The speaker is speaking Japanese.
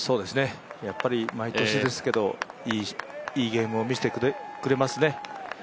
やっぱり毎年ですけど、いいゲームを見せてくれますね。